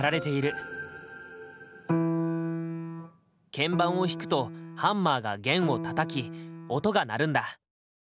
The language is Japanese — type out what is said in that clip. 鍵盤を弾くとハンマーが弦をたたき音が鳴るんだ。